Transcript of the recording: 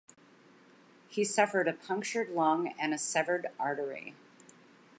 He suffered a punctured lung and a severed artery.